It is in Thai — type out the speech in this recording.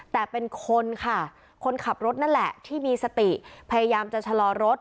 แต่เป็นคนค่ะคนขับรถนั่นแหละที่มีสติพยายามจะชะลอรถ